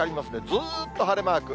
ずっと晴れマーク。